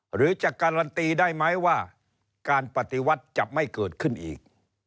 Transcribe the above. หรือจะการันตีได้ไหมว่าการปฏิวัติจะไม่เกิดขึ้นอีก